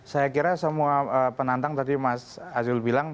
saya kira semua penantang tadi mas azul bilang